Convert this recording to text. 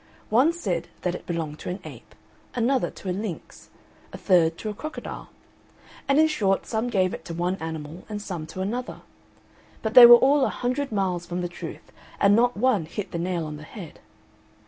One said that it belonged to an ape, another to a lynx, a third to a crocodile, and in short some gave it to one animal and some to another; but they were all a hundred miles from the truth, and not one hit the nail on the head.